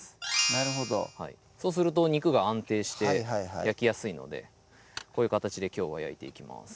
なるほどそうすると肉が安定して焼きやすいのでこういう形できょうは焼いていきます